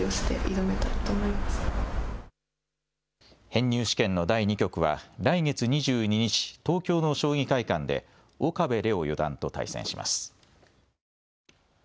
編入試験の第２局は来月２２日、東京の将棋会館で岡部怜央四段と対戦します。